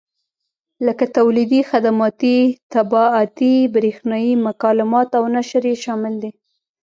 لکه تولیدي، خدماتي، طباعتي، برېښنایي مکالمات او نشر یې شامل دي.